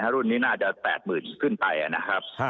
รุ่นนี้น่าจะ๘๐๐๐ขึ้นไปนะครับ